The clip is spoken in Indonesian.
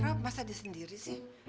rob masa dia sendiri sih